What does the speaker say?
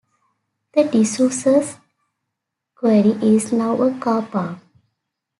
The disused quarry is now a car park.